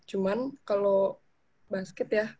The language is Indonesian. cuman kalau basket ya